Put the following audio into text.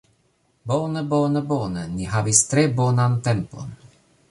Bone, bone, bone ni havis tre bonan tempon